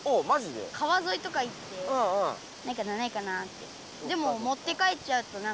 川ぞいとか行ってないかなないかなって。